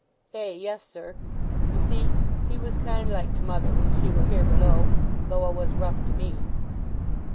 "Ay, yes sir! You see he was kind like to mother when she wer here below, though 'a was rough to me."